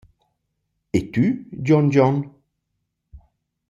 E tü, Giongion?